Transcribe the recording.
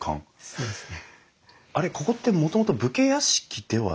そうですね。